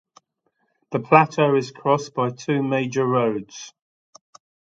The plateau is crossed by two major roads.